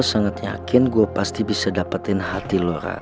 gue sangat yakin gue pasti bisa dapetin hati lo rak